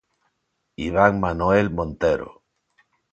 Iván Manoel Montero.